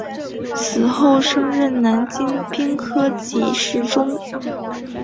此后升任南京兵科给事中。